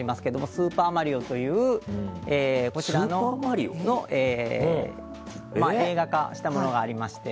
「スーパーマリオ」というこちら映画化したものがありまして。